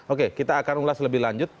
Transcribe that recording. oke kita akan ulas lebih lanjut